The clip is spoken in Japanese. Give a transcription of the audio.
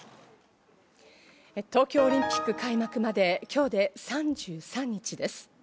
東京オリンピック開幕まで、今日で３３日です。